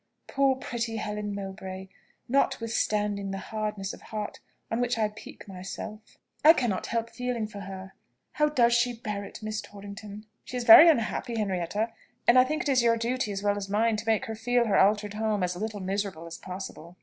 Poor, pretty Helen Mowbray! notwithstanding the hardness of heart on which I pique myself, I cannot help feeling for her. How does she bear it, Miss Torrington?" "She is very unhappy, Henrietta: and I think it is your duty, as well as mine, to make her feel her altered home as little miserable as possible."